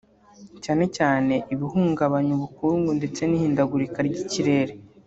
cyane cyane ibihungabanya ubukungu ndetse n’ihindagurika ry’ikirere